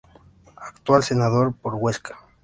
Actual senador por Huesca.